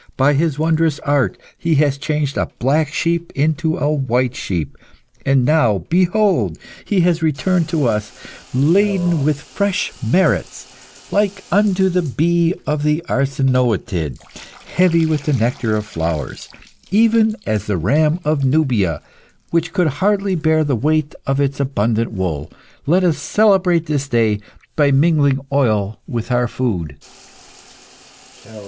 By his wondrous art, he has changed a black sheep into a white sheep. And now, behold, he has returned to us, laden with fresh merits. Like unto the bee of the Arsinoetid, heavy with the nectar of flowers. Even as the ram of Nubia, which could hardly bear the weight of its abundant wool. Let us celebrate this day by mingling oil with our food."